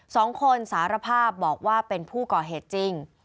สารภาพบอกว่าเป็นผู้ก่อเหตุจริง